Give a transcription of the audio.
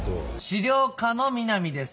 資料課の南です！